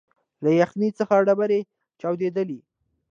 له یخنۍ څخه ډبري چاودېدلې